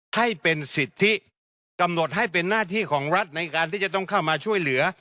ให้เป็นสิทธิกำหนดให้เป็นหน้าที่ของรัฐในการที่จะต้องเข้ามาช่วยเหลือ